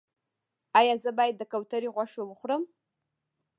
ایا زه باید د کوترې غوښه وخورم؟